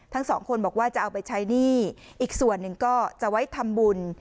ทั้งสองคนบอกว่าจะเอาไปใช้หนี้อีกส่วนหนึ่งก็จะไว้ทำบุญ